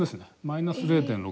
マイナス０．６％。